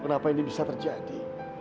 kenapa ini bisa terjadi